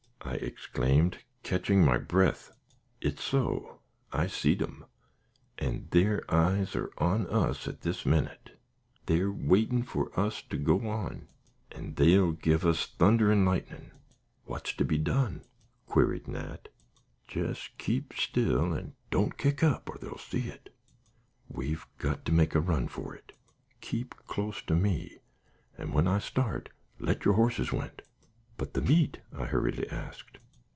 I exclaimed, catching my breath. "It's so; I seed 'em, and thar eyes are on us this minute. They're waitin' for us to go on, an' they'll give us thunder and lightnin'." "What's to be done?" queried Nat. "Jes' keep still, an' don't kick up, or they'll see it. We've got to make a run for it. Keep close to me, and when I start, let your horses went." "But the meat?" I hurriedly asked.